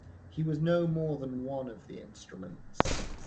He was no more than one of the instruments.